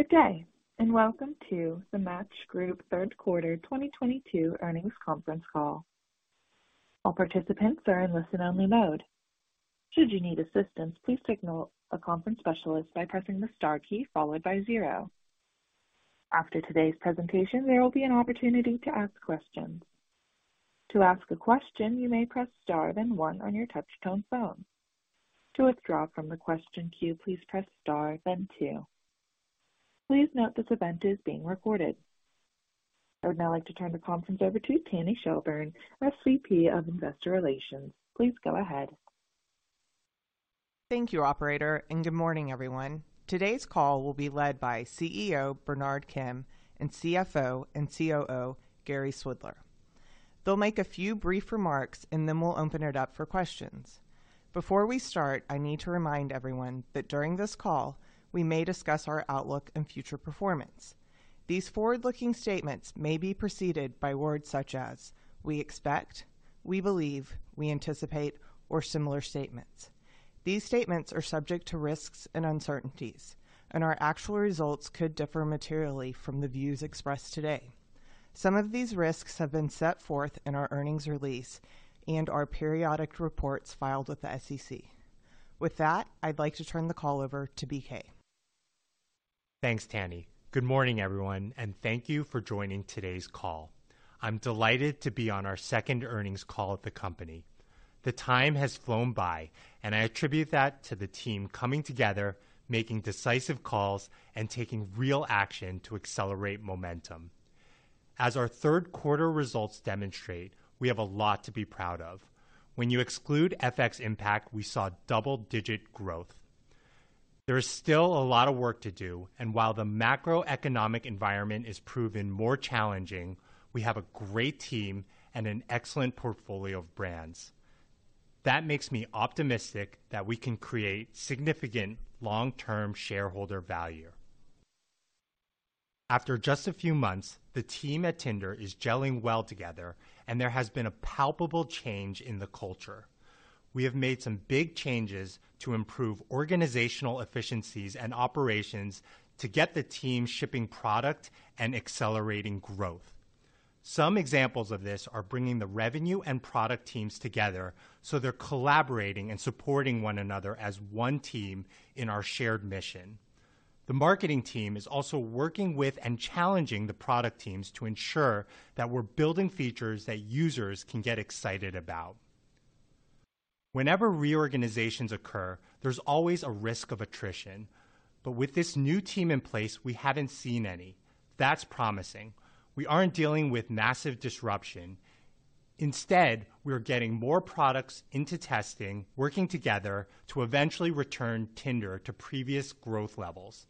Good day, and welcome to the Match Group third quarter 2022 Earnings Conference Call. All participants are in listen-only mode. Should you need assistance, please signal a conference specialist by pressing the star key followed by zero. After today's presentation, there will be an opportunity to ask questions. To ask a question, you may press star then one on your touchtone phone. To withdraw from the question queue, please press star then two. Please note this event is being recorded. I would now like to turn the conference over to Tanny Shelburne, SVP of Investor Relations. Please go ahead. Thank you, operator, and good morning, everyone. Today's call will be led by CEO Bernard Kim and CFO and COO Gary Swidler. They'll make a few brief remarks and then we'll open it up for questions. Before we start, I need to remind everyone that during this call, we may discuss our outlook and future performance. These forward-looking statements may be preceded by words such as "we expect," "we believe," "we anticipate," or similar statements. These statements are subject to risks and uncertainties, and our actual results could differ materially from the views expressed today. Some of these risks have been set forth in our earnings release and our periodic reports filed with the SEC. With that, I'd like to turn the call over to BK. Thanks, Tanny. Good morning, everyone, and thank you for joining today's call. I'm delighted to be on our second earnings call at the company. The time has flown by, and I attribute that to the team coming together, making decisive calls, and taking real action to accelerate momentum. As our third quarter results demonstrate, we have a lot to be proud of. When you exclude FX impact, we saw double-digit growth. There is still a lot of work to do, and while the macroeconomic environment has proven more challenging, we have a great team and an excellent portfolio of brands. That makes me optimistic that we can create significant long-term shareholder value. After just a few months, the team at Tinder is gelling well together and there has been a palpable change in the culture. We have made some big changes to improve organizational efficiencies and operations to get the team shipping product and accelerating growth. Some examples of this are bringing the revenue and product teams together so they're collaborating and supporting one another as one team in our shared mission. The marketing team is also working with and challenging the product teams to ensure that we're building features that users can get excited about. Whenever reorganizations occur, there's always a risk of attrition. With this new team in place, we haven't seen any. That's promising. We aren't dealing with massive disruption. Instead, we are getting more products into testing, working together to eventually return Tinder to previous growth levels.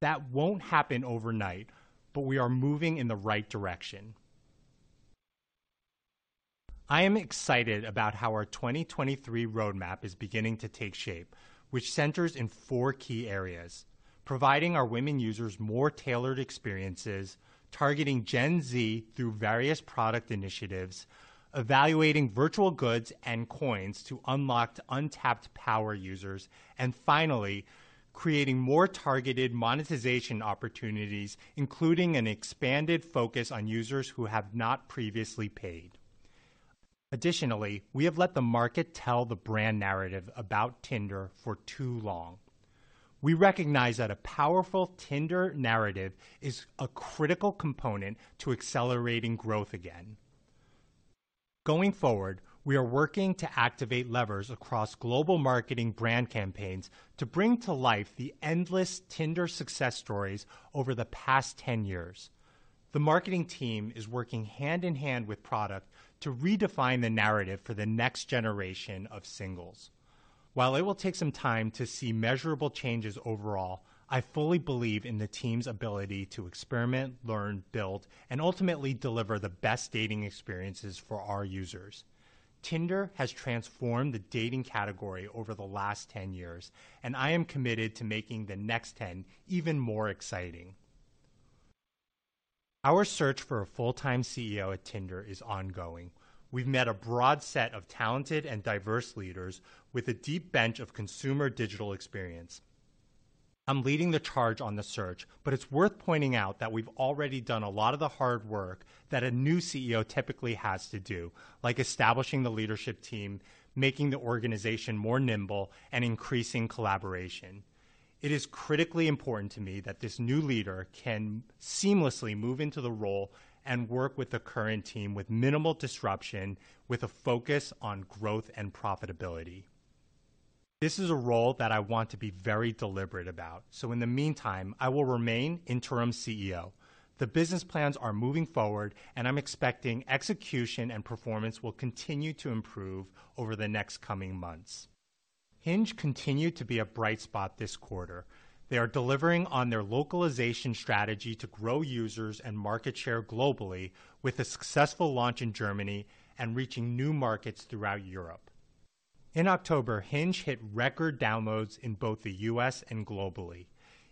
That won't happen overnight, but we are moving in the right direction. I am excited about how our 2023 roadmap is beginning to take shape, which centers in four key areas, providing our women users more tailored experiences, targeting Gen Z through various product initiatives, evaluating virtual goods and coins to unlock untapped power users, and finally, creating more targeted monetization opportunities, including an expanded focus on users who have not previously paid. Additionally, we have let the market tell the brand narrative about Tinder for too long. We recognize that a powerful Tinder narrative is a critical component to accelerating growth again. Going forward, we are working to activate levers across global marketing brand campaigns to bring to life the endless Tinder success stories over the past 10 years. The marketing team is working hand-in-hand with product to redefine the narrative for the next generation of singles. While it will take some time to see measurable changes overall, I fully believe in the team's ability to experiment, learn, build, and ultimately deliver the best dating experiences for our users. Tinder has transformed the dating category over the last 10 years, and I am committed to making the next 10 even more exciting. Our search for a full-time CEO at Tinder is ongoing. We've met a broad set of talented and diverse leaders with a deep bench of consumer digital experience. I'm leading the charge on the search, but it's worth pointing out that we've already done a lot of the hard work that a new CEO typically has to do, like establishing the leadership team, making the organization more nimble, and increasing collaboration. It is critically important to me that this new leader can seamlessly move into the role and work with the current team with minimal disruption, with a focus on growth and profitability. This is a role that I want to be very deliberate about. In the meantime, I will remain interim CEO. The business plans are moving forward, and I'm expecting execution and performance will continue to improve over the next coming months. Hinge continued to be a bright spot this quarter. They are delivering on their localization strategy to grow users and market share globally with a successful launch in Germany and reaching new markets throughout Europe. In October, Hinge hit record downloads in both the U.S. and globally.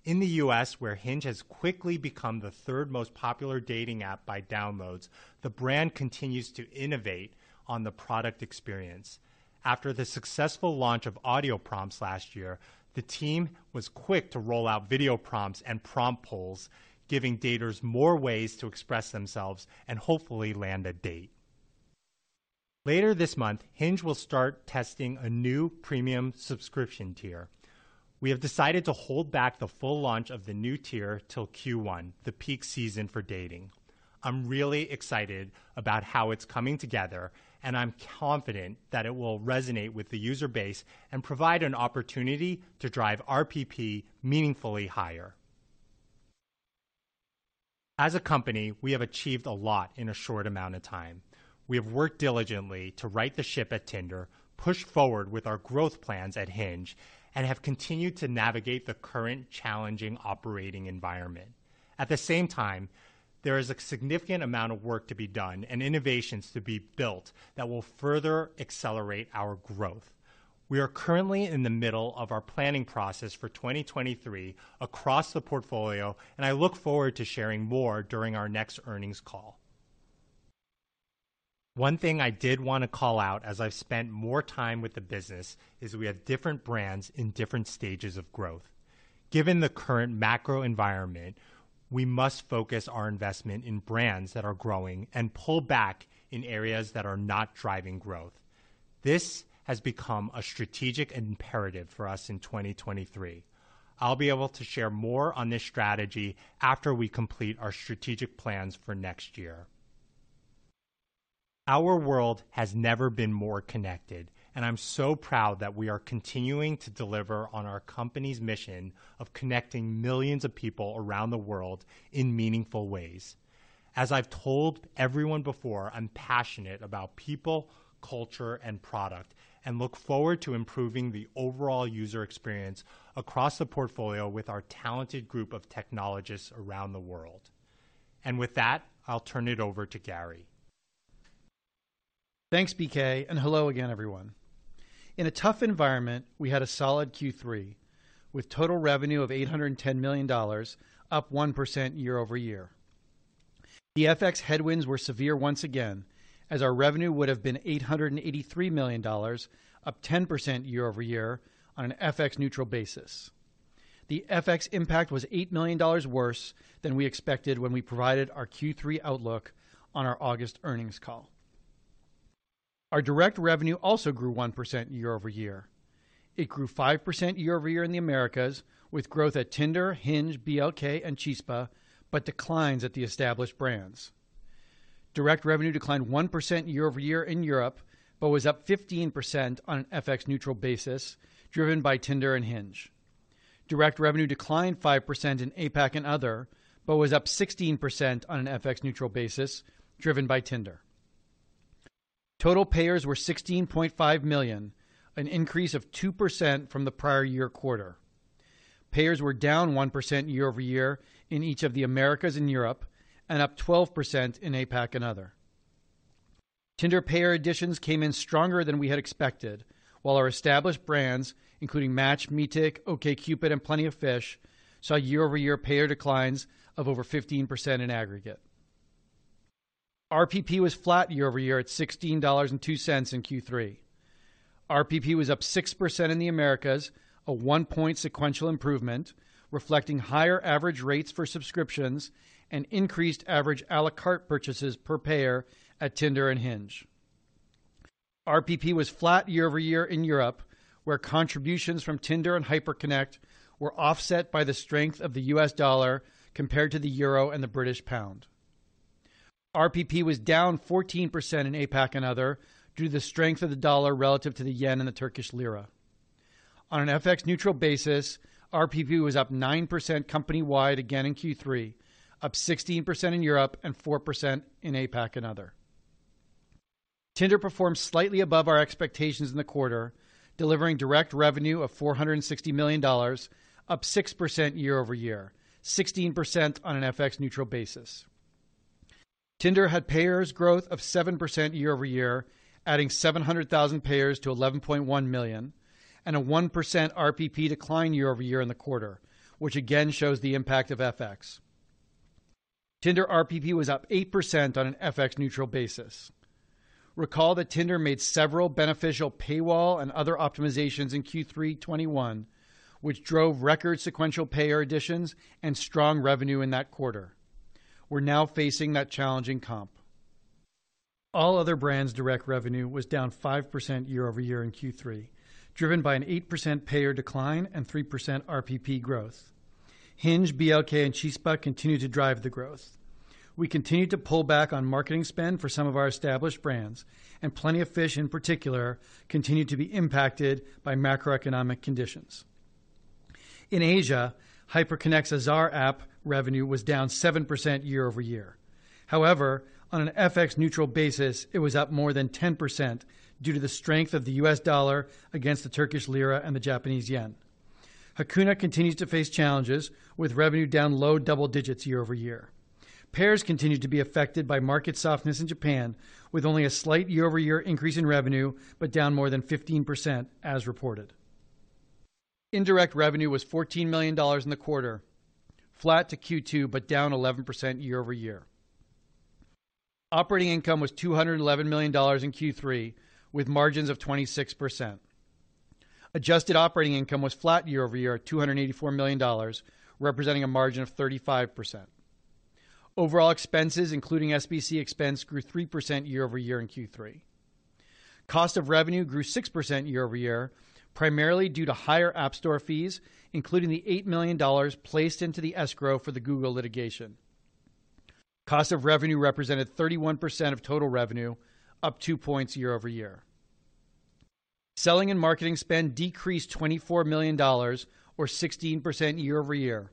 In the U.S., where Hinge has quickly become the third most popular dating app by downloads, the brand continues to innovate on the product experience. After the successful launch of audio prompts last year, the team was quick to roll out video prompts and prompt polls, giving daters more ways to express themselves and hopefully land a date. Later this month, Hinge will start testing a new premium subscription tier. We have decided to hold back the full launch of the new tier till Q1, the peak season for dating. I'm really excited about how it's coming together, and I'm confident that it will resonate with the user base and provide an opportunity to drive RPP meaningfully higher. As a company, we have achieved a lot in a short amount of time. We have worked diligently to right the ship at Tinder, push forward with our growth plans at Hinge, and have continued to navigate the current challenging operating environment. At the same time, there is a significant amount of work to be done and innovations to be built that will further accelerate our growth. We are currently in the middle of our planning process for 2023 across the portfolio, and I look forward to sharing more during our next earnings call. One thing I did wanna call out as I've spent more time with the business is we have different brands in different stages of growth. Given the current macro environment, we must focus our investment in brands that are growing and pull back in areas that are not driving growth. This has become a strategic imperative for us in 2023. I'll be able to share more on this strategy after we complete our strategic plans for next year. Our world has never been more connected, and I'm so proud that we are continuing to deliver on our company's mission of connecting millions of people around the world in meaningful ways. As I've told everyone before, I'm passionate about people, culture, and product, and look forward to improving the overall user experience across the portfolio with our talented group of technologists around the world. With that, I'll turn it over to Gary. Thanks, BK, and hello again, everyone. In a tough environment, we had a solid Q3 with total revenue of $810 million, up 1% year-over-year. The FX headwinds were severe once again, as our revenue would have been $883 million, up 10% year-over-year on an FX neutral basis. The FX impact was $8 million worse than we expected when we provided our Q3 outlook on our August earnings call. Our direct revenue also grew 1% year-over-year. It grew 5% year-over-year in the Americas with growth at Tinder, Hinge, BLK, and Chispa, but declines at the established brands. Direct revenue declined 1% year-over-year in Europe but was up 15% on an FX neutral basis, driven by Tinder and Hinge. Direct revenue declined 5% in APAC and other, but was up 16% on an FX-neutral basis, driven by Tinder. Total payers were 16.5 million, an increase of 2% from the prior year quarter. Payers were down 1% year over year in each of the Americas and Europe and up 12% in APAC and other. Tinder payer additions came in stronger than we had expected, while our established brands, including Match, Meetic, OkCupid, and Plenty of Fish, saw year over year payer declines of over 15% in aggregate. RPP was flat year over year at $16.02 in Q3. RPP was up 6% in the Americas, a one-point sequential improvement reflecting higher average rates for subscriptions and increased average à la carte purchases per payer at Tinder and Hinge. RPP was flat year-over-year in Europe, where contributions from Tinder and Hyperconnect were offset by the strength of the U.S. dollar compared to the euro and the British pound. RPP was down 14% in APAC and other due to the strength of the dollar relative to the yen and the Turkish lira. On an FX neutral basis, RPP was up 9% company-wide again in Q3, up 16% in Europe and 4% in APAC and other. Tinder performed slightly above our expectations in the quarter, delivering direct revenue of $460 million, up 6% year-over-year, 16% on an FX neutral basis. Tinder had payers growth of 7% year-over-year, adding 700,000 payers to 11.1 million and a 1% RPP decline year-over-year in the quarter, which again shows the impact of FX. Tinder RPP was up 8% on an FX neutral basis. Recall that Tinder made several beneficial paywall and other optimizations in Q3 2021 which drove record sequential payer additions and strong revenue in that quarter. We're now facing that challenging comp. All other brands direct revenue was down 5% year-over-year in Q3, driven by an 8% payer decline and 3% RPP growth. Hinge, BLK, and Chispa continued to drive the growth. We continued to pull back on marketing spend for some of our established brands, and Plenty of Fish in particular continued to be impacted by macroeconomic conditions. In Asia, Hyperconnect's Azar app revenue was down 7% year-over-year. However, on an FX neutral basis, it was up more than 10% due to the strength of the U.S. dollar against the Turkish lira and the Japanese yen. Hakuna continues to face challenges with revenue down low double digits year-over-year. Pairs continued to be affected by market softness in Japan with only a slight year-over-year increase in revenue, but down more than 15% as reported. Indirect revenue was $14 million in the quarter, flat to Q2, but down 11% year-over-year. Operating income was $211 million in Q3 with margins of 26%. Adjusted operating income was flat year-over-year at $284 million, representing a margin of 35%. Overall expenses, including SBC expense, grew 3% year-over-year in Q3. Cost of revenue grew 6% year-over-year, primarily due to higher App Store fees, including the $8 million placed into the escrow for the Google litigation. Cost of revenue represented 31% of total revenue, up two points year-over-year. Selling and marketing spend decreased $24 million or 16% year-over-year.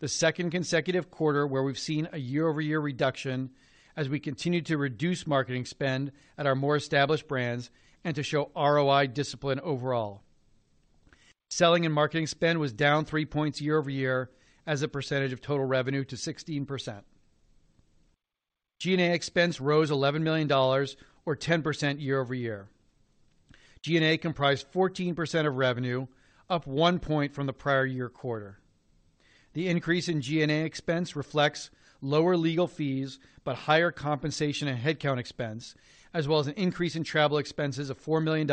The second consecutive quarter where we've seen a year-over-year reduction as we continue to reduce marketing spend at our more established brands and to show ROI discipline overall. Selling and marketing spend was down three points year-over-year as a percentage of total revenue to 16%. G&A expense rose $11 million or 10% year-over-year. G&A comprised 14% of revenue, up one point from the prior year quarter. The increase in G&A expense reflects lower legal fees, but higher compensation and headcount expense, as well as an increase in travel expenses of $4 million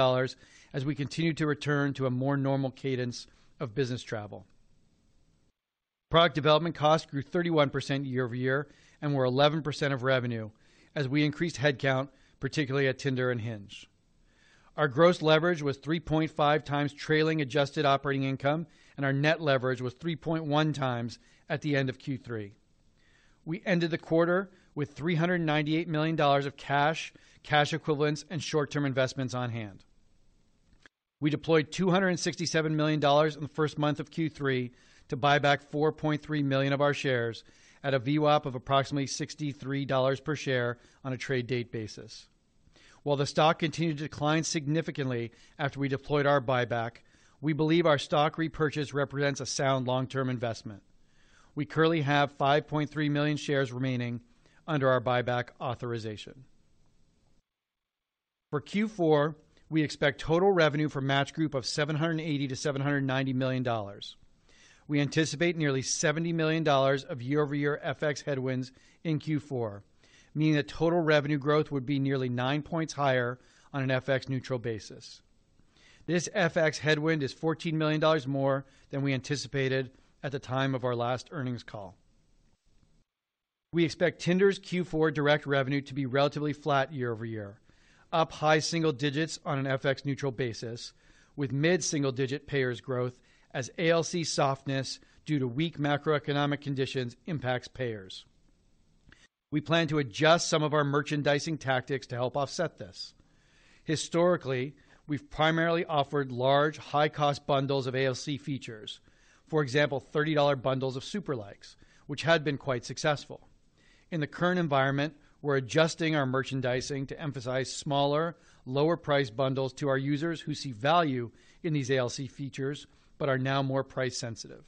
as we continue to return to a more normal cadence of business travel. Product development costs grew 31% year-over-year and were 11% of revenue as we increased headcount, particularly at Tinder and Hinge. Our gross leverage was 3.5x trailing adjusted operating income, and our net leverage was 3.1x at the end of Q3. We ended the quarter with $398 million of cash equivalents, and short-term investments on hand. We deployed $267 million in the first month of Q3 to buy back 4.3 million of our shares at a VWAP of approximately $63 per share on a trade date basis. While the stock continued to decline significantly after we deployed our buyback, we believe our stock repurchase represents a sound long-term investment. We currently have 5.3 million shares remaining under our buyback authorization. For Q4, we expect total revenue for Match Group of $780 million-$790 million. We anticipate nearly $70 million of year-over-year FX headwinds in Q4, meaning that total revenue growth would be nearly nine points higher on an FX neutral basis. This FX headwind is $14 million more than we anticipated at the time of our last earnings call. We expect Tinder's Q4 direct revenue to be relatively flat year over year, up high single digits on an FX neutral basis with mid-single digit payers growth as ALC softness due to weak macroeconomic conditions impacts payers. We plan to adjust some of our merchandising tactics to help offset this. Historically, we've primarily offered large, high-cost bundles of ALC features. For example, $30 bundles of super likes, which had been quite successful. In the current environment, we're adjusting our merchandising to emphasize smaller, lower-priced bundles to our users who see value in these ALC features but are now more price sensitive.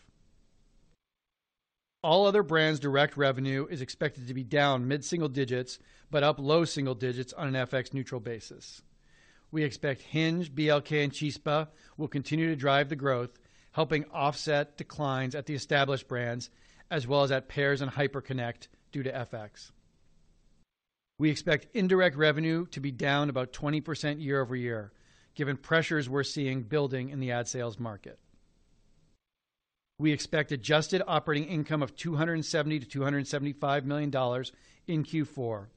All other brands direct revenue is expected to be down mid-single digits but up low single digits on an FX neutral basis. We expect Hinge, BLK, and Chispa will continue to drive the growth, helping offset declines at the established brands as well as at Pairs and Hyperconnect due to FX. We expect indirect revenue to be down about 20% year-over-year, given pressures we're seeing building in the ad sales market. We expect adjusted operating income of $270 million-$275 million in Q4,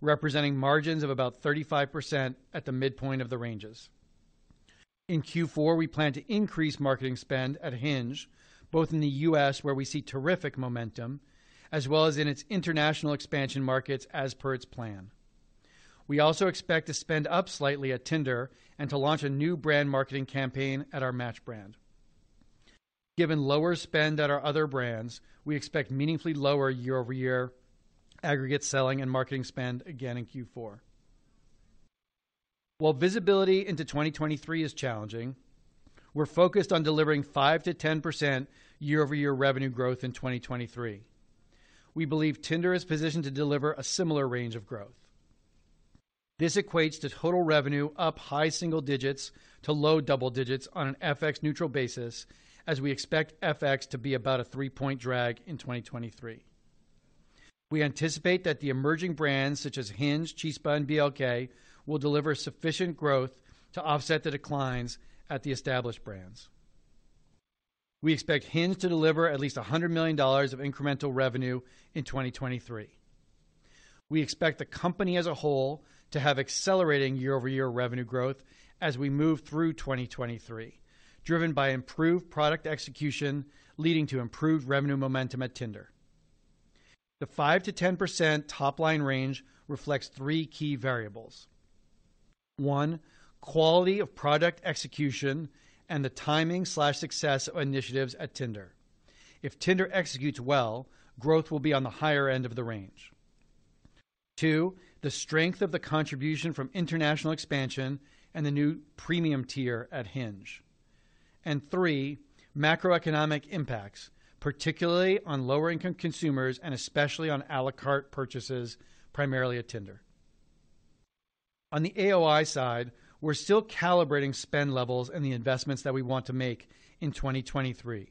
representing margins of about 35% at the midpoint of the ranges. In Q4, we plan to increase marketing spend at Hinge, both in the U.S. where we see terrific momentum, as well as in its international expansion markets as per its plan. We also expect to spend up slightly at Tinder and to launch a new brand marketing campaign at our Match brand. Given lower spend at our other brands, we expect meaningfully lower year-over-year aggregate selling and marketing spend again in Q4. While visibility into 2023 is challenging, we're focused on delivering 5%-10% year-over-year revenue growth in 2023. We believe Tinder is positioned to deliver a similar range of growth. This equates to total revenue up high single digits%-low double digits% on an FX neutral basis as we expect FX to be about a three-point drag in 2023. We anticipate that the emerging brands such as Hinge, Chispa, and BLK will deliver sufficient growth to offset the declines at the established brands. We expect Hinge to deliver at least $100 million of incremental revenue in 2023. We expect the company as a whole to have accelerating year-over-year revenue growth as we move through 2023, driven by improved product execution, leading to improved revenue momentum at Tinder. The 5%-10% top-line range reflects three key variables. One, quality of product execution and the timing and success of initiatives at Tinder. If Tinder executes well, growth will be on the higher end of the range. Two, the strength of the contribution from international expansion and the new premium tier at Hinge. Three, macroeconomic impacts, particularly on lower-income consumers and especially on à la carte purchases primarily at Tinder. On the AOI side, we're still calibrating spend levels and the investments that we want to make in 2023.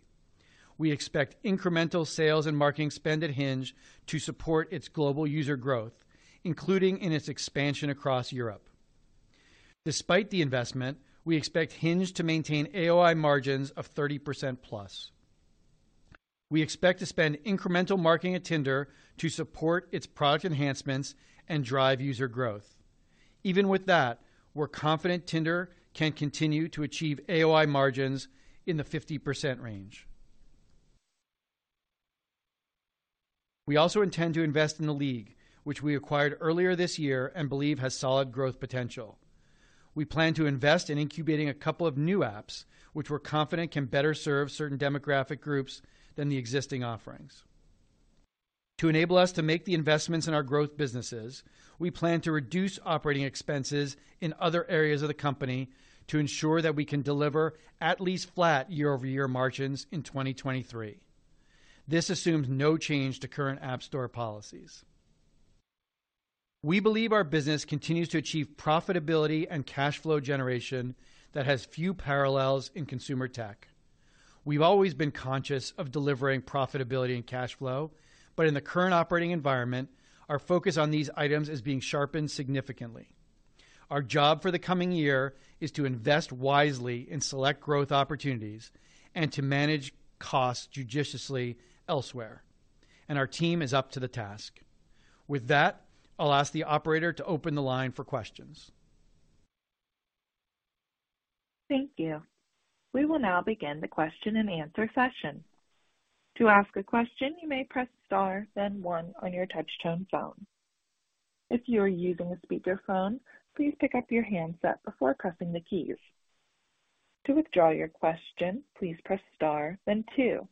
We expect incremental sales and marketing spend at Hinge to support its global user growth, including in its expansion across Europe. Despite the investment, we expect Hinge to maintain AOI margins of 30% plus. We expect to spend incremental marketing at Tinder to support its product enhancements and drive user growth. Even with that, we're confident Tinder can continue to achieve AOI margins in the 50% range. We also intend to invest in The League, which we acquired earlier this year and believe has solid growth potential. We plan to invest in incubating a couple of new apps, which we're confident can better serve certain demographic groups than the existing offerings. To enable us to make the investments in our growth businesses, we plan to reduce operating expenses in other areas of the company to ensure that we can deliver at least flat year-over-year margins in 2023. This assumes no change to current App Store policies. We believe our business continues to achieve profitability and cash flow generation that has few parallels in consumer tech. We've always been conscious of delivering profitability and cash flow, but in the current operating environment, our focus on these items is being sharpened significantly. Our job for the coming year is to invest wisely in select growth opportunities and to manage costs judiciously elsewhere. Our team is up to the task. With that, I'll ask the operator to open the line for questions. Thank you. We will now begin the question-and-answer session. To ask a question, you may press star then one on your touch-tone phone. If you are using a speakerphone, please pick up your handset before pressing the keys. To withdraw your question, please press star then two.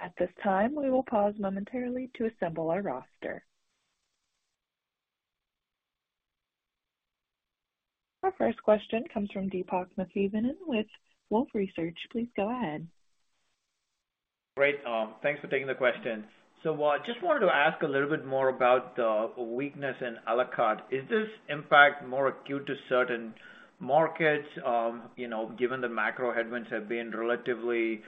At this time, we will pause momentarily to assemble our roster. Our first question comes from Deepak Mathivanan with Wolfe Research. Please go ahead. Great. Thanks for taking the question. I just wanted to ask a little bit more about the weakness in à la carte. Is this impact more acute to certain markets, you know, given the macro headwinds have been relatively,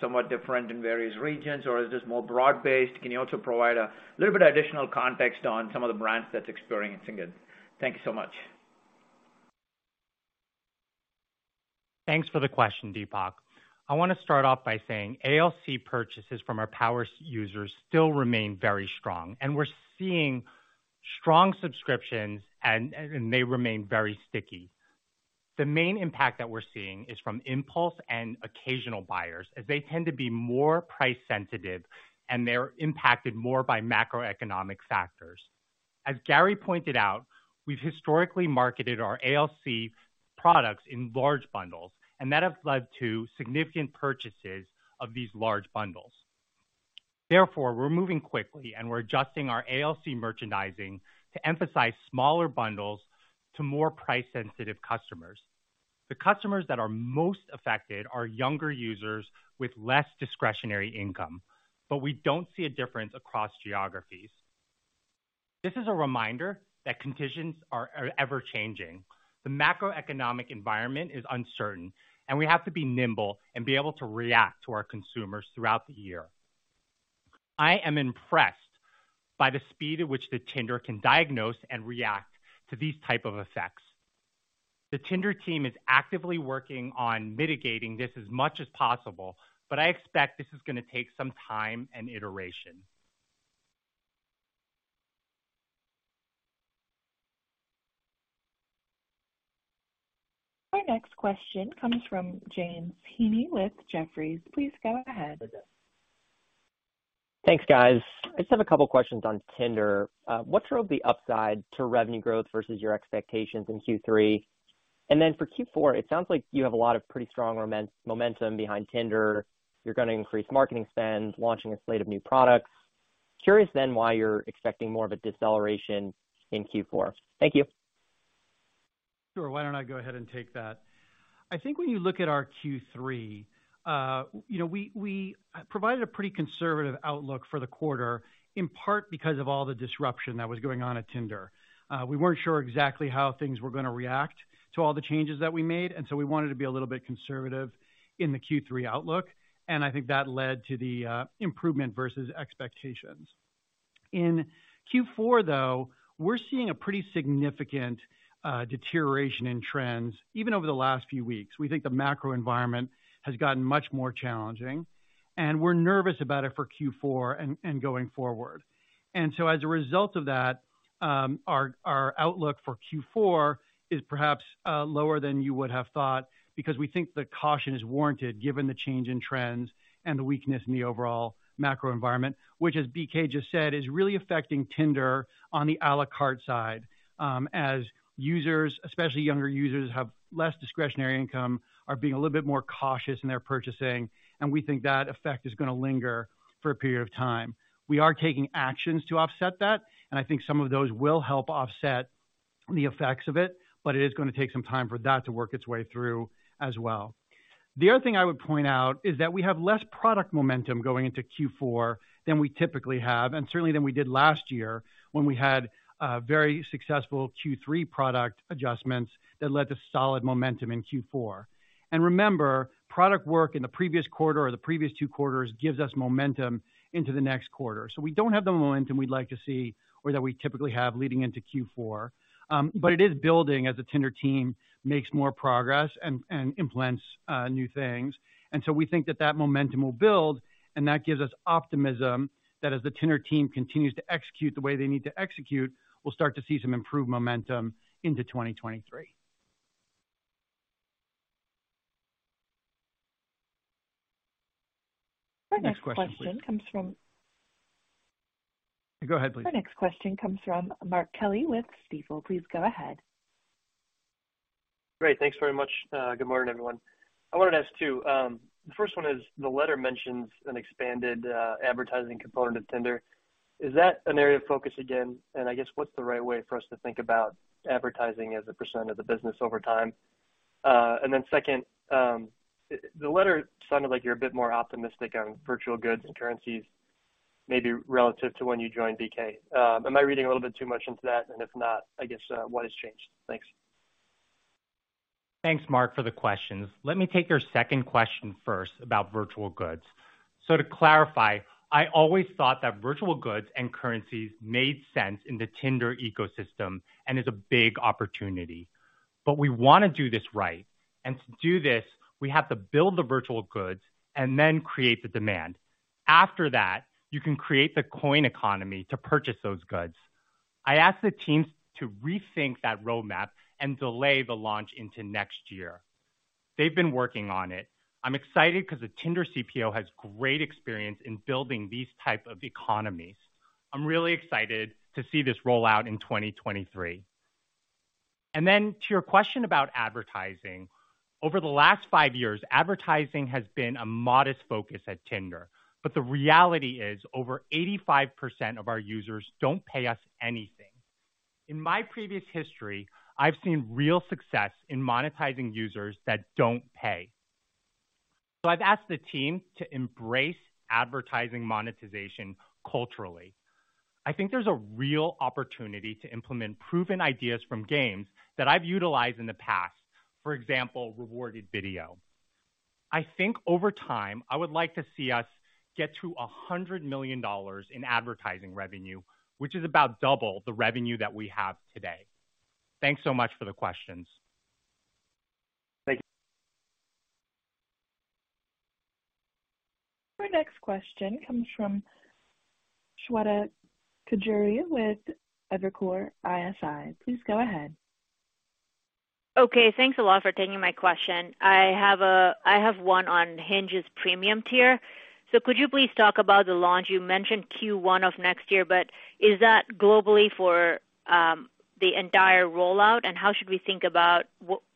somewhat different in various regions? Or is this more broad-based? Can you also provide a little bit of additional context on some of the brands that's experiencing it? Thank you so much. Thanks for the question, Deepak. I want to start off by saying ALC purchases from our power users still remain very strong, and we're seeing strong subscriptions and they remain very sticky. The main impact that we're seeing is from impulse and occasional buyers, as they tend to be more price sensitive and they're impacted more by macroeconomic factors. As Gary Swidler pointed out, we've historically marketed our ALC products in large bundles, and that has led to significant purchases of these large bundles. Therefore, we're moving quickly, and we're adjusting our ALC merchandising to emphasize smaller bundles to more price-sensitive customers. The customers that are most affected are younger users with less discretionary income, but we don't see a difference across geographies. This is a reminder that conditions are ever-changing. The macroeconomic environment is uncertain, and we have to be nimble and be able to react to our consumers throughout the year. I am impressed by the speed at which the Tinder can diagnose and react to these type of effects. The Tinder team is actively working on mitigating this as much as possible, but I expect this is going to take some time and iteration. Our next question comes from James Heaney with Jefferies. Please go ahead. Thanks, guys. I just have a couple questions on Tinder. What drove the upside to revenue growth versus your expectations in Q3? For Q4, it sounds like you have a lot of pretty strong momentum behind Tinder. You're gonna increase marketing spend, launching a slate of new products. Curious then why you're expecting more of a deceleration in Q4. Thank you. Sure. Why don't I go ahead and take that? I think when you look at our Q3, you know, we provided a pretty conservative outlook for the quarter, in part because of all the disruption that was going on at Tinder. We weren't sure exactly how things were gonna react to all the changes that we made, and so we wanted to be a little bit conservative in the Q3 outlook, and I think that led to the improvement versus expectations. In Q4, though, we're seeing a pretty significant deterioration in trends even over the last few weeks. We think the macro environment has gotten much more challenging, and we're nervous about it for Q4 and going forward. As a result of that, our outlook for Q4 is perhaps lower than you would have thought because we think the caution is warranted given the change in trends and the weakness in the overall macro environment. Which, as BK just said, is really affecting Tinder on the a la carte side, as users, especially younger users, have less discretionary income, are being a little bit more cautious in their purchasing, and we think that effect is gonna linger for a period of time. We are taking actions to offset that, and I think some of those will help offset. The effects of it, but it is gonna take some time for that to work its way through as well. The other thing I would point out is that we have less product momentum going into Q4 than we typically have, and certainly than we did last year when we had very successful Q3 product adjustments that led to solid momentum in Q4. Remember, product work in the previous quarter or the previous two quarters gives us momentum into the next quarter. We don't have the momentum we'd like to see or that we typically have leading into Q4. But it is building as the Tinder team makes more progress and implements new things. We think that momentum will build, and that gives us optimism that as the Tinder team continues to execute the way they need to execute, we'll start to see some improved momentum into 2023. Our next question comes from Go ahead, please. Our next question comes from Mark Kelley with Stifel. Please go ahead. Great. Thanks very much. Good morning, everyone. I wanted to ask two. The first one is, the letter mentions an expanded advertising component of Tinder. Is that an area of focus again? And I guess what's the right way for us to think about advertising as a percent of the business over time? And then second, the letter sounded like you're a bit more optimistic on virtual goods and currencies, maybe relative to when you joined BK. Am I reading a little bit too much into that? And if not, I guess, what has changed? Thanks. Thanks, Mark, for the questions. Let me take your second question first about virtual goods. To clarify, I always thought that virtual goods and currencies made sense in the Tinder ecosystem and is a big opportunity. We wanna do this right. To do this, we have to build the virtual goods and then create the demand. After that, you can create the coin economy to purchase those goods. I asked the teams to rethink that roadmap and delay the launch into next year. They've been working on it. I'm excited because the Tinder CPO has great experience in building these type of economies. I'm really excited to see this roll out in 2023. Then to your question about advertising. Over the last five years, advertising has been a modest focus at Tinder. The reality is over 85% of our users don't pay us anything. In my previous history, I've seen real success in monetizing users that don't pay. I've asked the team to embrace advertising monetization culturally. I think there's a real opportunity to implement proven ideas from games that I've utilized in the past, for example, rewarded video. I think over time, I would like to see us get to $100 million in advertising revenue, which is about double the revenue that we have today. Thanks so much for the questions. Thank you. Our next question comes from Shweta Khajuria with Evercore ISI. Please go ahead. Thanks a lot for taking my question. I have one on Hinge's premium tier. Could you please talk about the launch? You mentioned Q1 of next year, but is that globally for the entire rollout? How should we think about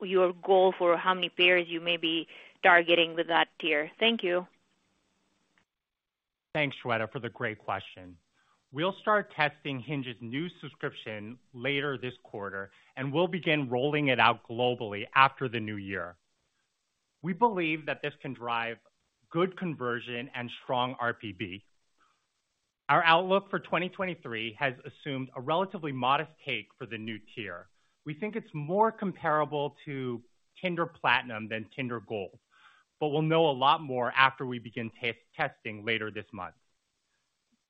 your goal for how many payers you may be targeting with that tier? Thank you. Thanks, Shweta, for the great question. We'll start testing Hinge's new subscription later this quarter, and we'll begin rolling it out globally after the new year. We believe that this can drive good conversion and strong RPP. Our outlook for 2023 has assumed a relatively modest take for the new tier. We think it's more comparable to Tinder Platinum than Tinder Gold, but we'll know a lot more after we begin testing later this month.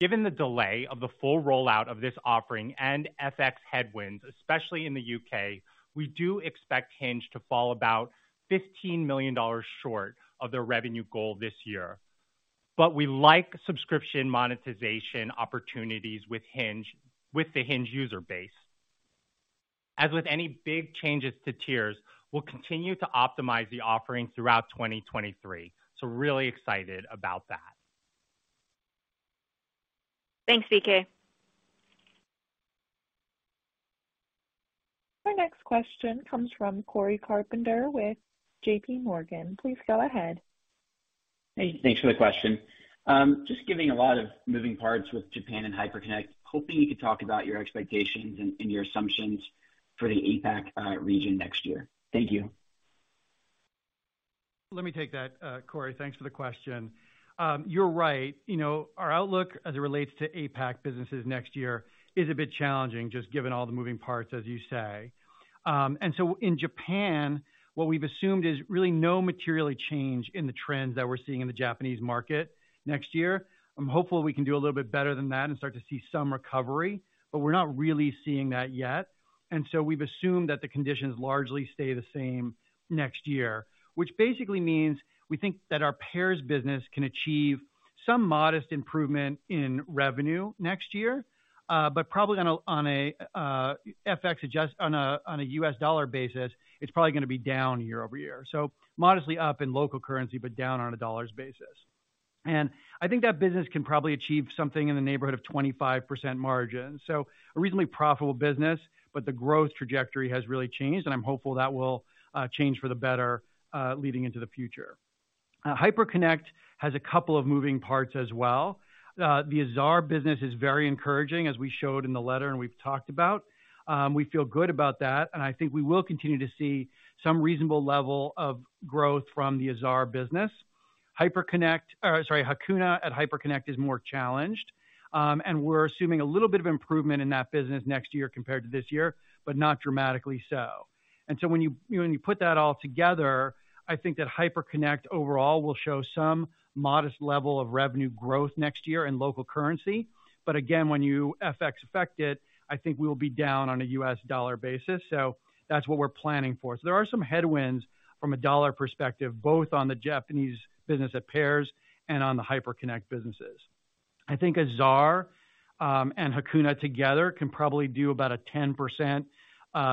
Given the delay of the full rollout of this offering and FX headwinds, especially in the U.K., we do expect Hinge to fall about $15 million short of their revenue goal this year. But we like subscription monetization opportunities with the Hinge user base. As with any big changes to tiers, we'll continue to optimize the offerings throughout 2023. Really excited about that. Thanks, BK. Our next question comes from Cory Carpenter with J.P. Morgan. Please go ahead. Hey, thanks for the question. Given a lot of moving parts with Japan and Hyperconnect, hoping you could talk about your expectations and your assumptions for the APAC region next year. Thank you. Let me take that, Cory. Thanks for the question. You're right. You know, our outlook as it relates to APAC businesses next year is a bit challenging, just given all the moving parts, as you say. In Japan, what we've assumed is really no material change in the trends that we're seeing in the Japanese market next year. I'm hopeful we can do a little bit better than that and start to see some recovery, but we're not really seeing that yet. We've assumed that the conditions largely stay the same next year, which basically means we think that our payers business can achieve some modest improvement in revenue next year, but probably on a FX adjusted U.S. dollar basis, it's probably gonna be down year over year. Modestly up in local currency, but down on a dollar basis. I think that business can probably achieve something in the neighborhood of 25% margin. A reasonably profitable business, but the growth trajectory has really changed, and I'm hopeful that will change for the better, leading into the future. Hyperconnect has a couple of moving parts as well. The Azar business is very encouraging, as we showed in the letter and we've talked about. We feel good about that, and I think we will continue to see some reasonable level of growth from the Azar business. Sorry, Hakuna at Hyperconnect is more challenged. We're assuming a little bit of improvement in that business next year compared to this year, but not dramatically so. When you put that all together, I think that Hyperconnect overall will show some modest level of revenue growth next year in local currency. But again, when you FX affect it, I think we'll be down on a U.S. dollar basis. That's what we're planning for. There are some headwinds from a dollar perspective, both on the Japanese business at Pairs and on the Hyperconnect businesses. I think Azar and Hakuna together can probably do about a 10%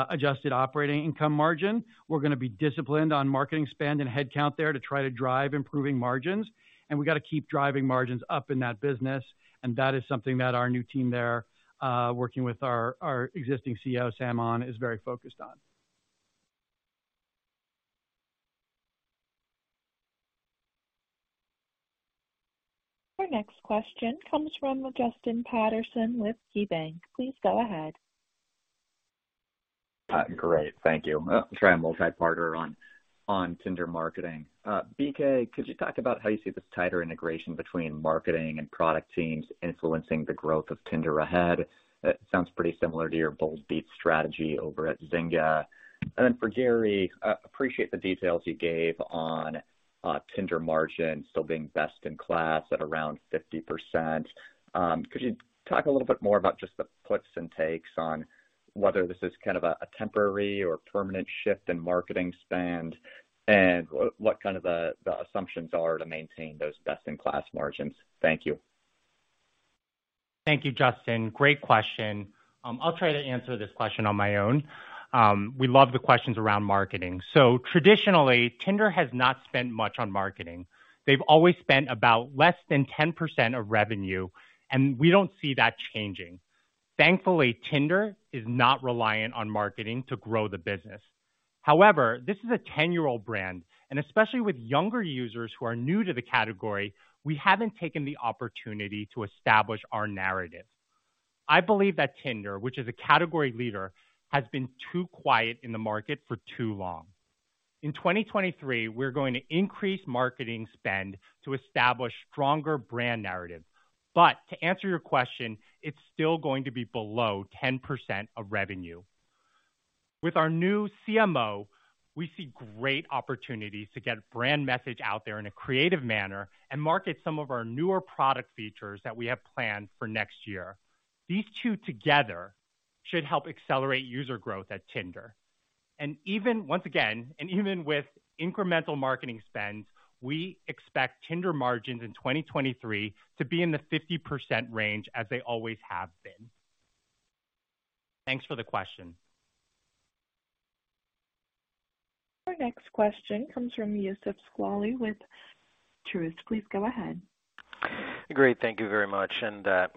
adjusted operating income margin. We're gonna be disciplined on marketing spend and headcount there to try to drive improving margins, and we got to keep driving margins up in that business. That is something that our new team there, working with our existing CEO, Sam Ahn, is very focused on. Our next question comes from Justin Patterson with KeyBanc. Please go ahead. Great. Thank you. I'll try a multi-parter on Tinder marketing. BK, could you talk about how you see this tighter integration between marketing and product teams influencing the growth of Tinder ahead? It sounds pretty similar to your Bold Beat strategy over at Zynga. Then for Gary, I appreciate the details you gave on Tinder margin still being best-in-class at around 50%. Could you talk a little bit more about just the puts and takes on whether this is kind of a temporary or permanent shift in marketing spend, and what kind of assumptions are to maintain those best-in-class margins? Thank you. Thank you, Justin. Great question. I'll try to answer this question on my own. We love the questions around marketing. Traditionally, Tinder has not spent much on marketing. They've always spent about less than 10% of revenue, and we don't see that changing. Thankfully, Tinder is not reliant on marketing to grow the business. However, this is a 10-year-old brand, and especially with younger users who are new to the category, we haven't taken the opportunity to establish our narrative. I believe that Tinder, which is a category leader, has been too quiet in the market for too long. In 2023, we're going to increase marketing spend to establish stronger brand narrative. To answer your question, it's still going to be below 10% of revenue. With our new CMO, we see great opportunities to get brand message out there in a creative manner and market some of our newer product features that we have planned for next year. These two together should help accelerate user growth at Tinder. Even with incremental marketing spend, we expect Tinder margins in 2023 to be in the 50% range, as they always have been. Thanks for the question. Our next question comes from Youssef Squali with Truist. Please go ahead. Great. Thank you very much.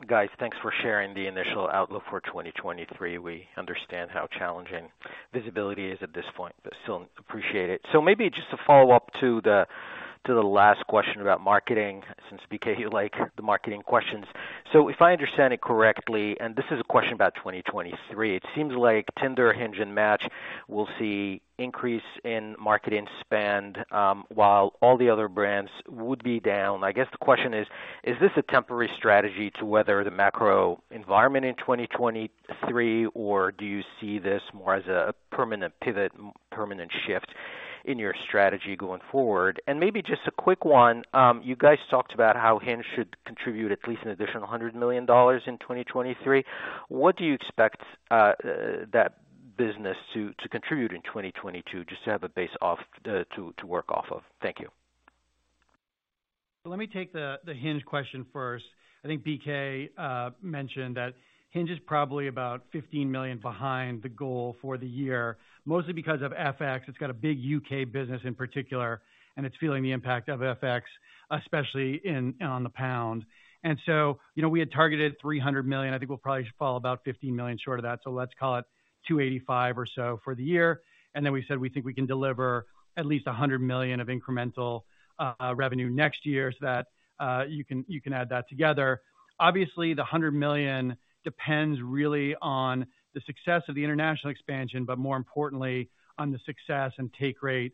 Guys, thanks for sharing the initial outlook for 2023. We understand how challenging visibility is at this point, but still appreciate it. Maybe just a follow-up to the last question about marketing, since BK, you like the marketing questions. If I understand it correctly, and this is a question about 2023, it seems like Tinder, Hinge, and Match will see increase in marketing spend, while all the other brands would be down. I guess the question is: Is this a temporary strategy to weather the macro environment in 2023, or do you see this more as a permanent pivot, permanent shift in your strategy going forward? Maybe just a quick one. You guys talked about how Hinge should contribute at least an additional $100 million in 2023. What do you expect that business to contribute in 2022, just to have a base off to work off of? Thank you. Let me take the Hinge question first. I think BK mentioned that Hinge is probably about $15 million behind the goal for the year, mostly because of FX. It's got a big U.K. business in particular, and it's feeling the impact of FX, especially on the pound. You know, we had targeted $300 million. I think we'll probably fall about $50 million short of that. Let's call it $285 million or so for the year. We said we think we can deliver at least $100 million of incremental revenue next year, so you can add that together. Obviously, the $100 million depends really on the success of the international expansion, but more importantly on the success and take rate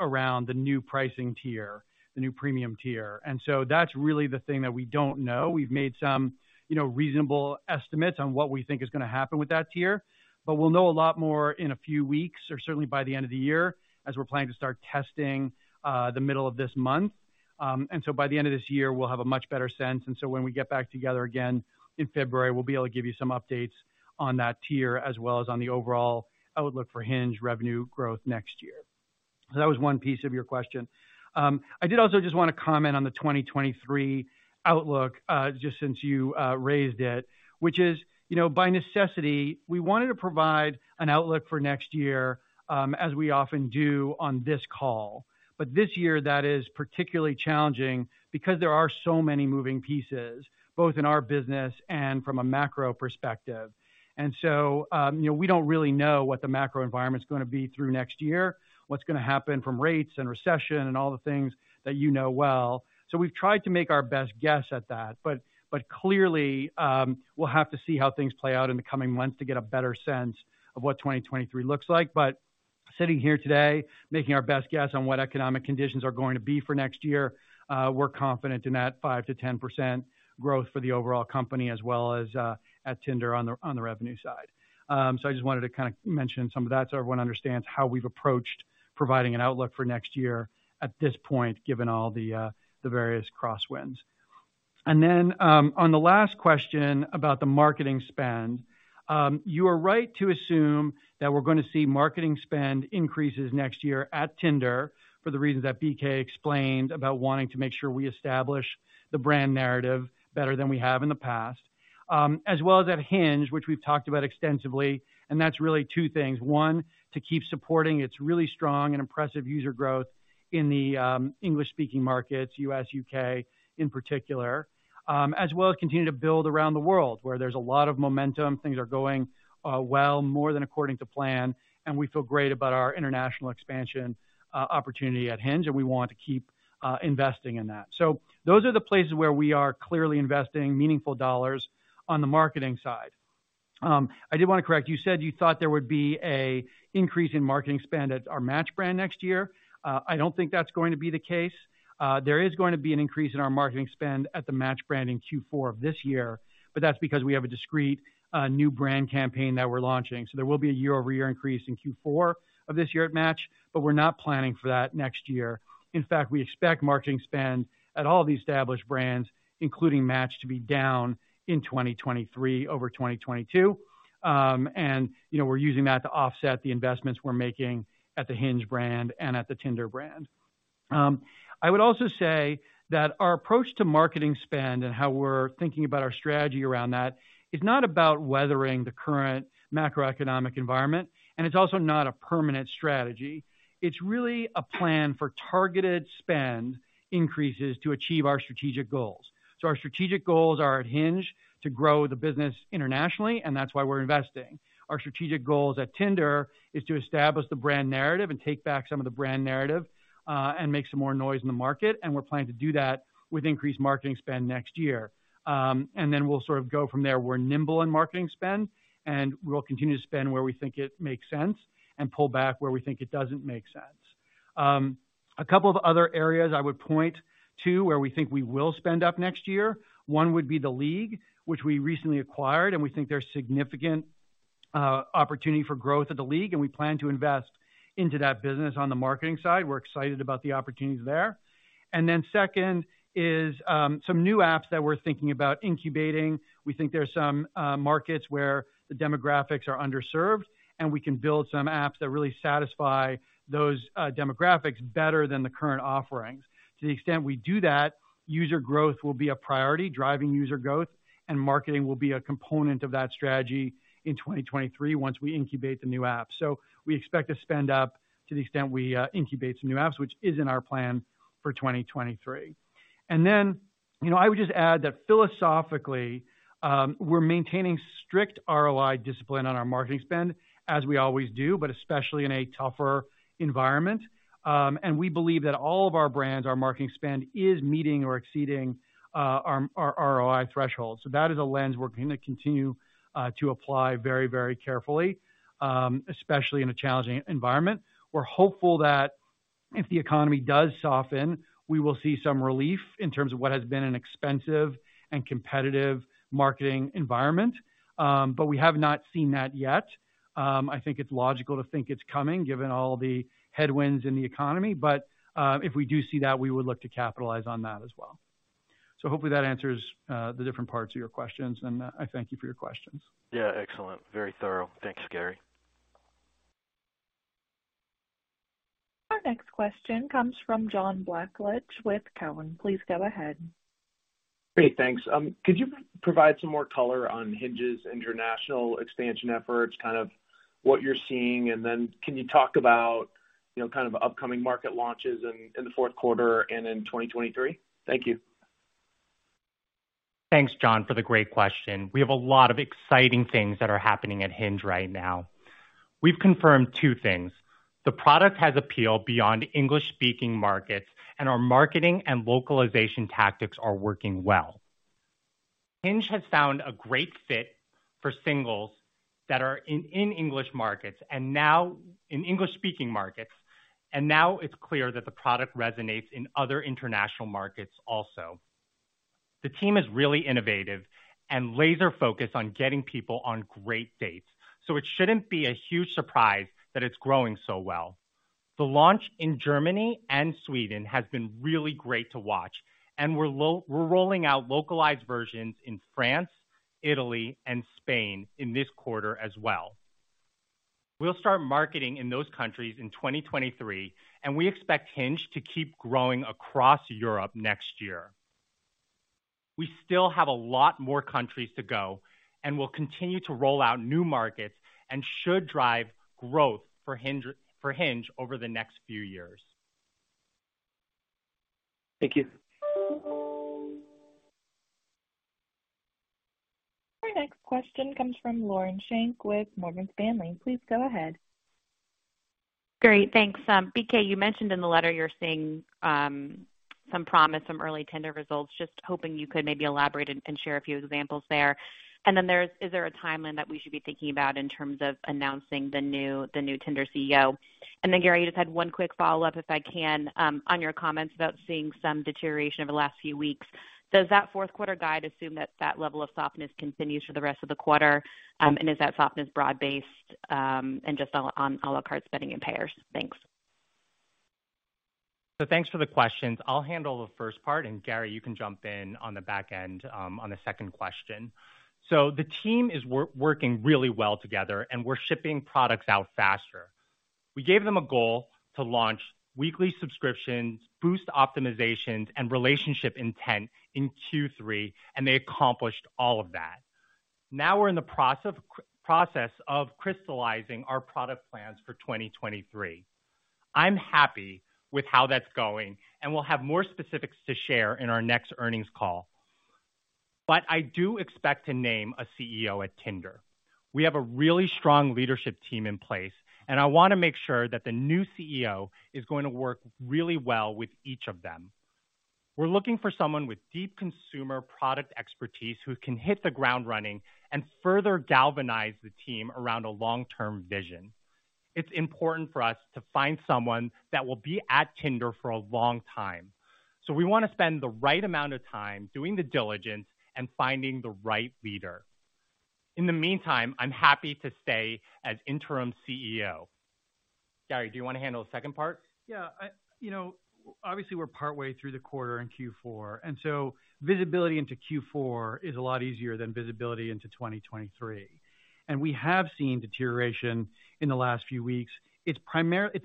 around the new pricing tier, the new premium tier. That's really the thing that we don't know. We've made some, you know, reasonable estimates on what we think is gonna happen with that tier, but we'll know a lot more in a few weeks or certainly by the end of the year as we're planning to start testing, the middle of this month. By the end of this year, we'll have a much better sense. When we get back together again in February, we'll be able to give you some updates on that tier as well as on the overall outlook for Hinge revenue growth next year. That was one piece of your question. I did also just wanna comment on the 2023 outlook, just since you raised it, which is, you know, by necessity, we wanted to provide an outlook for next year, as we often do on this call. This year, that is particularly challenging because there are so many moving pieces, both in our business and from a macro perspective. You know, we don't really know what the macro environment is gonna be through next year, what's gonna happen from rates and recession and all the things that you know well. We've tried to make our best guess at that. Clearly, we'll have to see how things play out in the coming months to get a better sense of what 2023 looks like. Sitting here today, making our best guess on what economic conditions are going to be for next year, we're confident in that 5%-10% growth for the overall company as well as at Tinder on the revenue side. I just wanted to kinda mention some of that so everyone understands how we've approached providing an outlook for next year at this point, given all the various crosswinds. On the last question about the marketing spend, you are right to assume that we're gonna see marketing spend increases next year at Tinder for the reasons that BK explained about wanting to make sure we establish the brand narrative better than we have in the past, as well as at Hinge, which we've talked about extensively, and that's really two things. One, to keep supporting its really strong and impressive user growth in the English-speaking markets, U.S., U.K. in particular, as well as continue to build around the world where there's a lot of momentum, things are going well, more than according to plan, and we feel great about our international expansion opportunity at Hinge, and we want to keep investing in that. Those are the places where we are clearly investing meaningful dollars on the marketing side. I did wanna correct. You said you thought there would be a increase in marketing spend at our Match brand next year. I don't think that's going to be the case. There is going to be an increase in our marketing spend at the Match brand in Q4 of this year, but that's because we have a discrete new brand campaign that we're launching. There will be a year-over-year increase in Q4 of this year at Match, but we're not planning for that next year. In fact, we expect marketing spend at all the established brands, including Match, to be down in 2023 over 2022. And you know, we're using that to offset the investments we're making at the Hinge brand and at the Tinder brand. I would also say that our approach to marketing spend and how we're thinking about our strategy around that is not about weathering the current macroeconomic environment, and it's also not a permanent strategy. It's really a plan for targeted spend increases to achieve our strategic goals. Our strategic goals are at Hinge to grow the business internationally, and that's why we're investing. Our strategic goals at Tinder is to establish the brand narrative and take back some of the brand narrative, and make some more noise in the market, and we're planning to do that with increased marketing spend next year. We'll sort of go from there. We're nimble in marketing spend, and we'll continue to spend where we think it makes sense and pull back where we think it doesn't make sense. A couple of other areas I would point to where we think we will spend up next year. One would be The League, which we recently acquired, and we think there's significant opportunity for growth at The League, and we plan to invest into that business on the marketing side. We're excited about the opportunities there. Second is some new apps that we're thinking about incubating. We think there's some markets where the demographics are underserved, and we can build some apps that really satisfy those demographics better than the current offerings. To the extent we do that, user growth will be a priority, driving user growth, and marketing will be a component of that strategy in 2023 once we incubate the new app. We expect to spend up to the extent we incubate some new apps, which is in our plan for 2023. You know, I would just add that philosophically, we're maintaining strict ROI discipline on our marketing spend, as we always do, but especially in a tougher environment. We believe that all of our brands, our marketing spend is meeting or exceeding our ROI threshold. That is a lens we're gonna continue to apply very, very carefully, especially in a challenging environment. We're hopeful that if the economy does soften, we will see some relief in terms of what has been an expensive and competitive marketing environment. We have not seen that yet. I think it's logical to think it's coming, given all the headwinds in the economy. If we do see that, we would look to capitalize on that as well. Hopefully that answers the different parts of your questions, and I thank you for your questions. Yeah, excellent. Very thorough. Thanks, Gary. Our next question comes from John Blackledge with TD Cowen. Please go ahead. Great. Thanks. Could you provide some more color on Hinge's international expansion efforts, kind of what you're seeing? Then can you talk about, you know, kind of upcoming market launches in the fourth quarter and in 2023? Thank you. Thanks, John, for the great question. We have a lot of exciting things that are happening at Hinge right now. We've confirmed two things. The product has appeal beyond English-speaking markets, and our marketing and localization tactics are working well. Hinge has found a great fit for singles that are in English-speaking markets. Now it's clear that the product resonates in other international markets also. The team is really innovative and laser-focused on getting people on great dates, so it shouldn't be a huge surprise that it's growing so well. The launch in Germany and Sweden has been really great to watch, and we're rolling out localized versions in France, Italy, and Spain in this quarter as well. We'll start marketing in those countries in 2023, and we expect Hinge to keep growing across Europe next year. We still have a lot more countries to go, and we'll continue to roll out new markets and should drive growth for Hinge over the next few years. Thank you. Our next question comes from Lauren Schenk with Morgan Stanley. Please go ahead. Great. Thanks. BK, you mentioned in the letter you're seeing some promise, some early Tinder results. Just hoping you could maybe elaborate and share a few examples there. Then there's, is there a timeline that we should be thinking about in terms of announcing the new Tinder CEO? Gary, you just had one quick follow-up, if I can, on your comments about seeing some deterioration over the last few weeks. Does that fourth quarter guide assume that that level of softness continues for the rest of the quarter? And is that softness broad-based, and just on a la carte spending in payers? Thanks. Thanks for the questions. I'll handle the first part, and Gary, you can jump in on the back end, on the second question. The team is working really well together, and we're shipping products out faster. We gave them a goal to launch weekly subscriptions, boost optimizations, and relationship intent in Q3, and they accomplished all of that. Now we're in the process of crystallizing our product plans for 2023. I'm happy with how that's going, and we'll have more specifics to share in our next earnings call. I do expect to name a CEO at Tinder. We have a really strong leadership team in place, and I wanna make sure that the new CEO is going to work really well with each of them. We're looking for someone with deep consumer product expertise who can hit the ground running and further galvanize the team around a long-term vision. It's important for us to find someone that will be at Tinder for a long time. We wanna spend the right amount of time doing the diligence and finding the right leader. In the meantime, I'm happy to stay as interim CEO. Gary, do you wanna handle the second part? You know, obviously, we're partway through the quarter in Q4, so visibility into Q4 is a lot easier than visibility into 2023. We have seen deterioration in the last few weeks. It's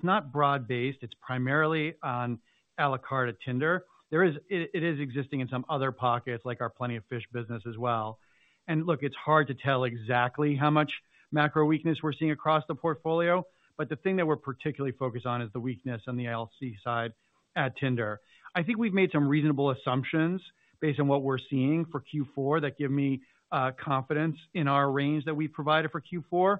not broad-based. It's primarily on à la carte at Tinder. It is existing in some other pockets, like our Plenty of Fish business as well. Look, it's hard to tell exactly how much macro weakness we're seeing across the portfolio, but the thing that we're particularly focused on is the weakness on the ALC side at Tinder. I think we've made some reasonable assumptions based on what we're seeing for Q4 that give me confidence in our range that we've provided for Q4.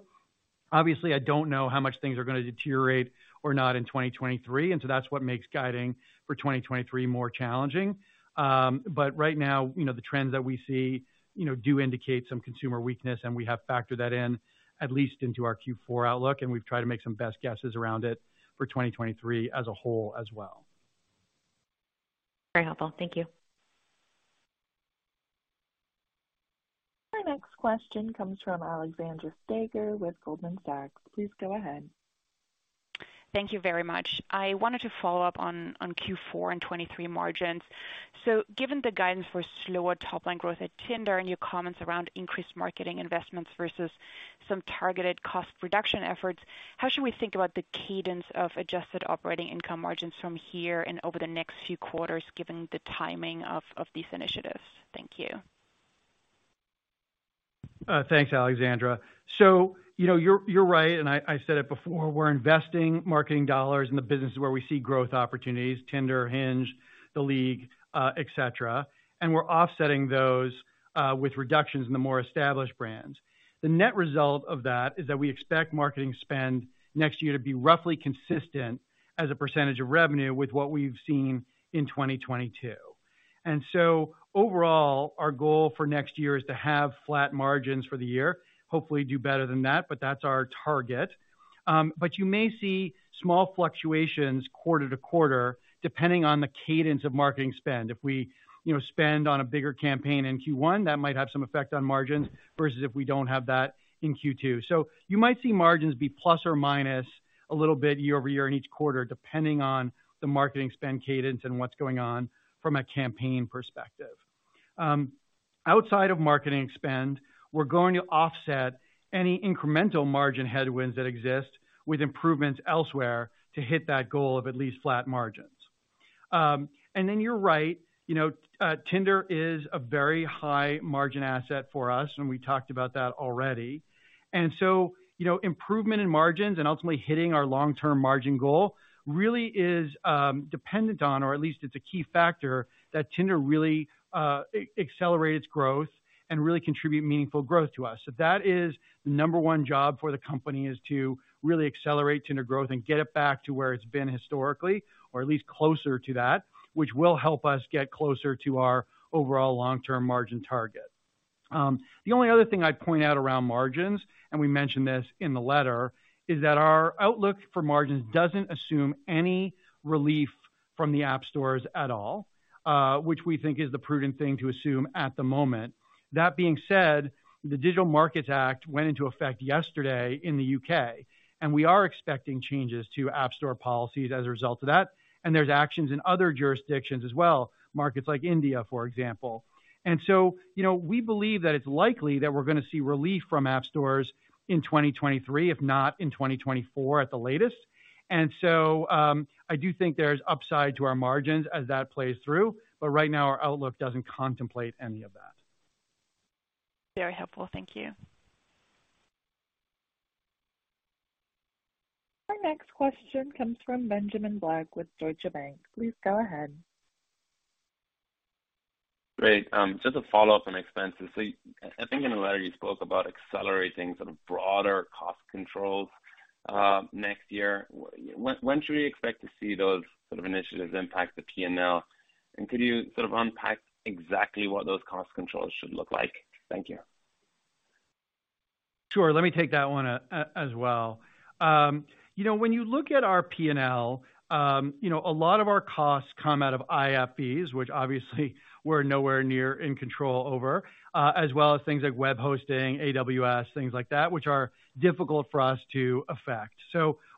Obviously, I don't know how much things are gonna deteriorate or not in 2023, and so that's what makes guiding for 2023 more challenging. Right now, you know, the trends that we see, you know, do indicate some consumer weakness, and we have factored that in at least into our Q4 outlook, and we've tried to make some best guesses around it for 2023 as a whole as well. Very helpful. Thank you. Our next question comes from Alexandra Steiger with Goldman Sachs. Please go ahead. Thank you very much. I wanted to follow up on Q4 and 2023 margins. Given the guidance for slower top line growth at Tinder and your comments around increased marketing investments versus some targeted cost reduction efforts, how should we think about the cadence of adjusted operating income margins from here and over the next few quarters, given the timing of these initiatives? Thank you. Thanks, Alexandra. You know, you're right, and I said it before, we're investing marketing dollars in the businesses where we see growth opportunities, Tinder, Hinge, The League, et cetera. We're offsetting those with reductions in the more established brands. The net result of that is that we expect marketing spend next year to be roughly consistent as a percentage of revenue with what we've seen in 2022. Overall, our goal for next year is to have flat margins for the year. Hopefully do better than that, but that's our target. You may see small fluctuations quarter to quarter, depending on the cadence of marketing spend. If we, you know, spend on a bigger campaign in Q1, that might have some effect on margins versus if we don't have that in Q2. You might see margins be plus or minus a little bit year-over-year in each quarter, depending on the marketing spend cadence and what's going on from a campaign perspective. Outside of marketing spend, we're going to offset any incremental margin headwinds that exist with improvements elsewhere to hit that goal of at least flat margins. You're right, you know, Tinder is a very high margin asset for us, and we talked about that already. You know, improvement in margins and ultimately hitting our long-term margin goal really is dependent on, or at least it's a key factor that Tinder really accelerate its growth and really contribute meaningful growth to us. That is the number one job for the company, is to really accelerate Tinder growth and get it back to where it's been historically or at least closer to that, which will help us get closer to our overall long-term margin target. The only other thing I'd point out around margins, and we mentioned this in the letter, is that our outlook for margins doesn't assume any relief from the app stores at all, which we think is the prudent thing to assume at the moment. That being said, the Digital Markets Act went into effect yesterday in the U.K., and we are expecting changes to app store policies as a result of that. There's actions in other jurisdictions as well, markets like India, for example. You know, we believe that it's likely that we're gonna see relief from app stores in 2023, if not in 2024 at the latest. I do think there's upside to our margins as that plays through. Right now, our outlook doesn't contemplate any of that. Very helpful. Thank you. Our next question comes from Benjamin Black with Deutsche Bank. Please go ahead. Great. Just a follow-up on expenses. I think in the letter you spoke about accelerating sort of broader cost controls, next year. When should we expect to see those sort of initiatives impact the P&L? And could you sort of unpack exactly what those cost controls should look like? Thank you. Sure. Let me take that one as well. You know, when you look at our P&L, you know, a lot of our costs come out of IFRS, which obviously we're nowhere near in control over, as well as things like web hosting, AWS, things like that, which are difficult for us to affect.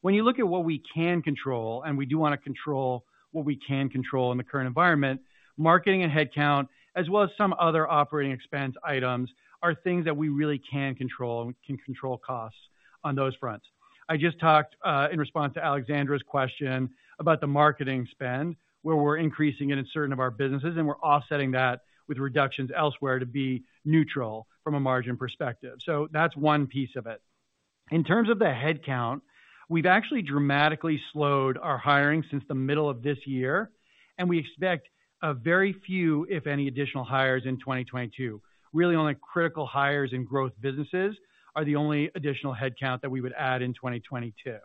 When you look at what we can control, and we do wanna control what we can control in the current environment, marketing and headcount, as well as some other operating expense items, are things that we really can control, and we can control costs on those fronts. I just talked in response to Alexandra's question about the marketing spend, where we're increasing it in certain of our businesses, and we're offsetting that with reductions elsewhere to be neutral from a margin perspective. That's one piece of it. In terms of the headcount, we've actually dramatically slowed our hiring since the middle of this year, and we expect a very few, if any, additional hires in 2022. Really only critical hires in growth businesses are the only additional headcount that we would add in 2022.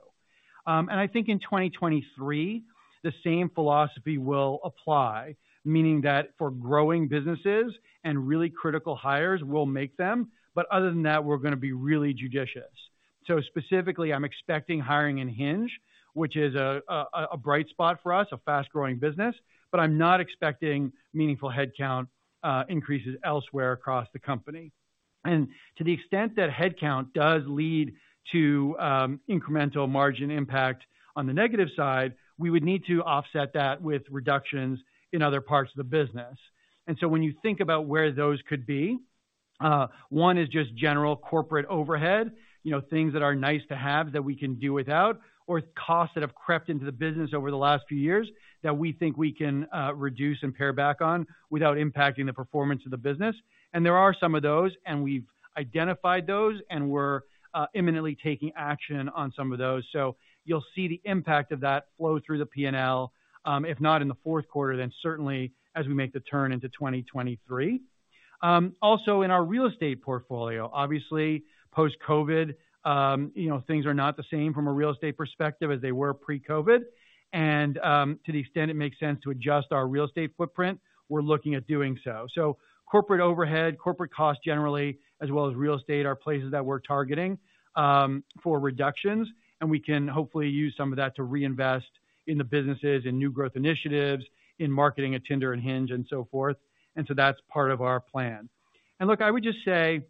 I think in 2023, the same philosophy will apply. Meaning that for growing businesses and really critical hires, we'll make them, but other than that, we're gonna be really judicious. Specifically, I'm expecting hiring in Hinge, which is a bright spot for us, a fast-growing business, but I'm not expecting meaningful headcount increases elsewhere across the company. To the extent that headcount does lead to incremental margin impact on the negative side, we would need to offset that with reductions in other parts of the business. When you think about where those could be, one is just general corporate overhead. You know, things that are nice to have that we can do without, or costs that have crept into the business over the last few years that we think we can reduce and pare back on without impacting the performance of the business. There are some of those, and we've identified those, and we're imminently taking action on some of those. You'll see the impact of that flow through the P&L, if not in the fourth quarter, then certainly as we make the turn into 2023. Also in our real estate portfolio, obviously post-COVID, you know, things are not the same from a real estate perspective as they were pre-COVID. To the extent it makes sense to adjust our real estate footprint, we're looking at doing so. Corporate overhead, corporate costs generally, as well as real estate, are places that we're targeting for reductions, and we can hopefully use some of that to reinvest in the businesses and new growth initiatives, in marketing at Tinder and Hinge and so forth. That's part of our plan. Look, I would just say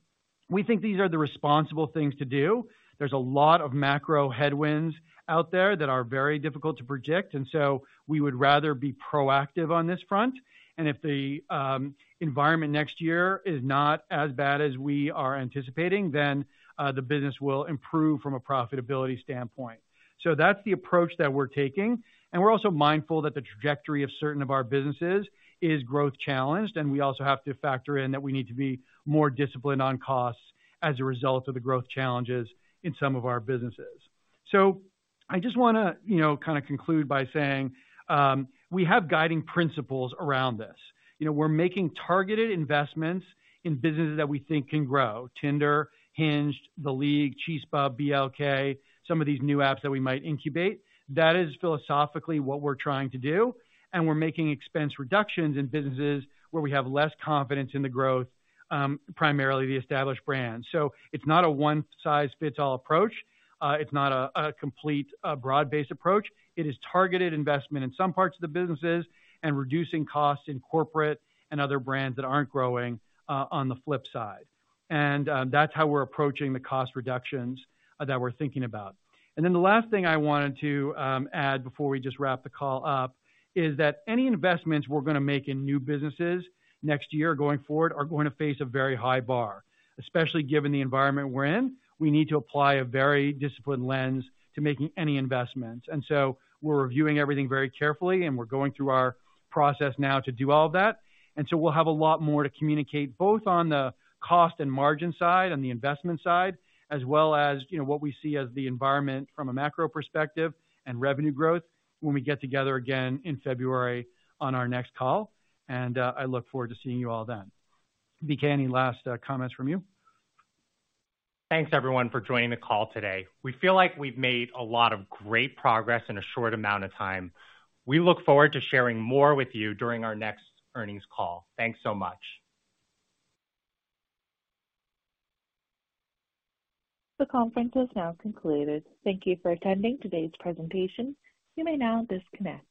we think these are the responsible things to do. There's a lot of macro headwinds out there that are very difficult to predict, and we would rather be proactive on this front. If the environment next year is not as bad as we are anticipating, then the business will improve from a profitability standpoint. That's the approach that we're taking, and we're also mindful that the trajectory of certain of our businesses is growth challenged, and we also have to factor in that we need to be more disciplined on costs as a result of the growth challenges in some of our businesses. I just wanna, you know, kinda conclude by saying, we have guiding principles around this. You know, we're making targeted investments in businesses that we think can grow. Tinder, Hinge, The League, Chispa, BLK, some of these new apps that we might incubate. That is philosophically what we're trying to do, and we're making expense reductions in businesses where we have less confidence in the growth, primarily the established brands. It's not a one-size-fits-all approach. It's not a complete broad-based approach. It is targeted investment in some parts of the businesses and reducing costs in corporate and other brands that aren't growing on the flip side. That's how we're approaching the cost reductions that we're thinking about. The last thing I wanted to add before we just wrap the call up is that any investments we're gonna make in new businesses next year going forward are going to face a very high bar, especially given the environment we're in. We need to apply a very disciplined lens to making any investments. We're reviewing everything very carefully, and we're going through our process now to do all of that. We'll have a lot more to communicate, both on the cost and margin side, on the investment side, as well as, you know, what we see as the environment from a macro perspective and revenue growth when we get together again in February on our next call. I look forward to seeing you all then. BK, any last comments from you? Thanks, everyone, for joining the call today. We feel like we've made a lot of great progress in a short amount of time. We look forward to sharing more with you during our next earnings call. Thanks so much. The conference is now concluded. Thank you for attending today's presentation. You may now disconnect.